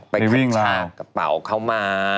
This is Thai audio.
ไปวิ่งลากกระเป๋าเข้ามา